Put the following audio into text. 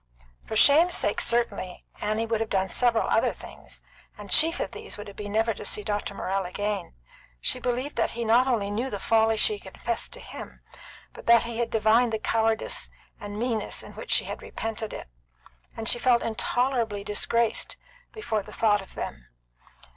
For shame's sake certainly, Annie would have done several other things, and chief of these would have been never to see Dr. Morrell again. She believed that he not only knew the folly she had confessed to him, but that he had divined the cowardice and meanness in which she had repented it, and she felt intolerably disgraced before the thought of him.